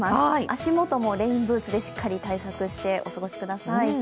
足元もレインブーツでしっかり対策してお過ごしください。